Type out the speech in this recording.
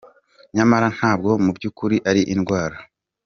Nyamara ntabwo mu by`ukuri ari indwara.